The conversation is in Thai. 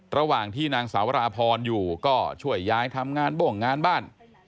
ระหว่างที่นางสาวราพรอยู่ก็ช่วยยายทำงานบ้งงานบ้าน